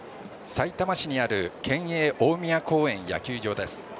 さいたま市にある県営大宮公園野球場です。